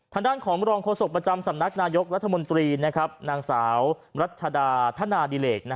ทางด้านของรองโฆษกประจำสำนักนายกรัฐมนตรีนางสาวรัชดาธนาดิเหลก